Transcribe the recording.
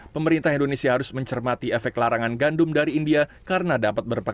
pemerintah indonesia harus mencermati efek larangan gandum dari india karena dapat berpengaruh